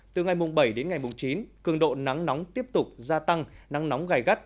từ ngày bảy đến ngày chín cường độ nắng nóng tiếp tục gia tăng nắng nóng gai gắt